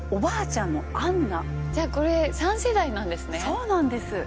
そうなんです。